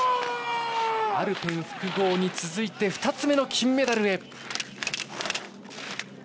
アルペン複合に続いて２つ目の金メダルへ。